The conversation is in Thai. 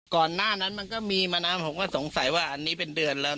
ก่อนหน้านั้นมันก็มีมานะผมก็สงสัยว่าอันนี้เป็นเดือนแล้ว